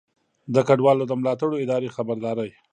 د کډوالو د ملاتړو ادارو خبرداری